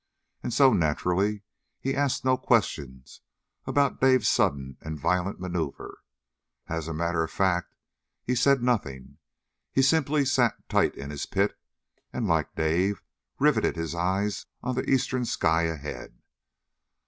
And so, naturally, he asked no questions about Dave's sudden and violent maneuver. As a matter of fact he said nothing. He simply sat tight in his pit, and like Dave riveted his eyes on the eastern sky ahead.